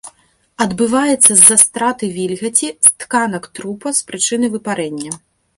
Адбываецца з-за страты вільгаці з тканак трупа з прычыны выпарэння.